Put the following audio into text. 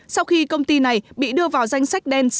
sau khi công ty này bị đưa vào danh sách đen